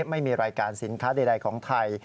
ไม่มีรายการสินค้าใดของไทย